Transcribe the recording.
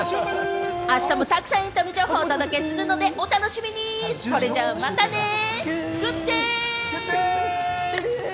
あしたもたくさんエンタメ情報をお届けするのでお楽しみにね、それじゃまたね、グッデイ！